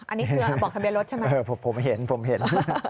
อันนี้คือบอกทะเบียนรถใช่ไหมผมเห็นผมเห็น